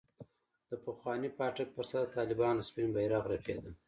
د پخواني پاټک پر سر د طالبانو سپين بيرغ رپېده.